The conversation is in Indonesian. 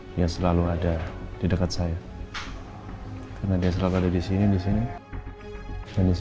dia selalu ada di dekat saya karena dia selalu ada di sini di sini